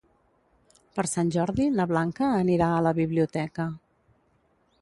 Per Sant Jordi na Blanca anirà a la biblioteca.